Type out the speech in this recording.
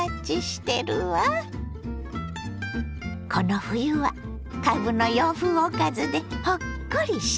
この冬はかぶの洋風おかずでほっこりしてね。